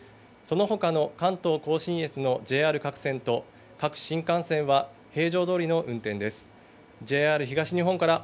そのほかの関東甲信越のＪＲ各線と各新幹線は平常どおりの運転です。